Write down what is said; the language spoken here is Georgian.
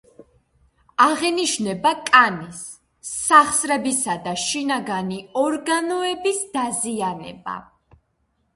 აღინიშნება კანის, სახსრებისა და შინაგანი ორგანოების დაზიანება.